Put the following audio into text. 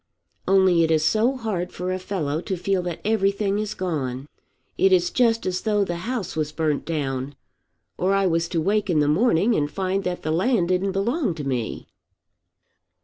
Only it is so hard for a fellow to feel that everything is gone. It is just as though the house was burnt down, or I was to wake in the morning and find that the land didn't belong to me."